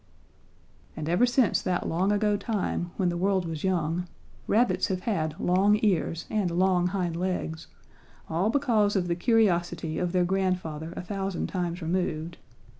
"And ever since that long ago time, when the world was young, rabbits have had long ears and long hind legs, all because of the curiosity of their grandfather a thousand times removed.